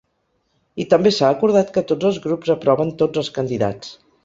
I també s’ha acordat que tots els grups aproven tots els candidats.